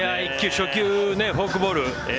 初球、フォークボール。